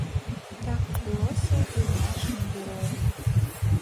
Так адбылося і з нашымі героямі.